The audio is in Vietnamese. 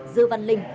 dư văn linh